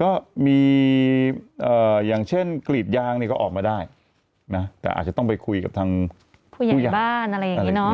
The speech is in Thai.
ก็มีอย่างเช่นกรีดยางเนี่ยก็ออกมาได้นะแต่อาจจะต้องไปคุยกับทางผู้ใหญ่บ้านอะไรอย่างนี้เนาะ